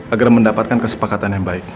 agar mendapatkan kesepakatan yang baik